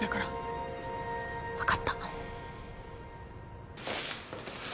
分かった。